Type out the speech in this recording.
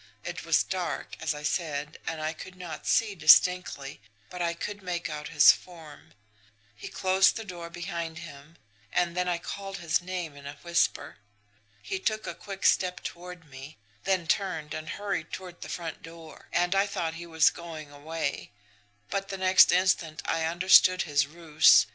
It was dark, as I said, and I could not see distinctly, but I could make out his form. He closed the door behind him and then I called his name in a whisper. He took a quick step toward me, then turned and hurried toward the front door, and I thought he was going away but the next instant I understood his ruse.